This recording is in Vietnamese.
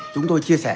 chúng tôi chia sẻ